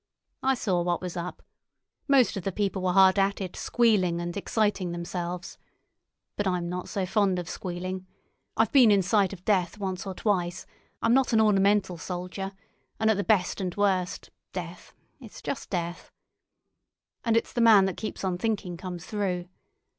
I saw what was up. Most of the people were hard at it squealing and exciting themselves. But I'm not so fond of squealing. I've been in sight of death once or twice; I'm not an ornamental soldier, and at the best and worst, death—it's just death. And it's the man that keeps on thinking comes through.